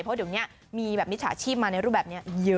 เพราะเดี๋ยวนี้มีแบบมิจฉาชีพมาในรูปแบบนี้เยอะ